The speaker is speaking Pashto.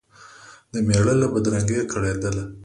د مېړه له بدرنګیه کړېدله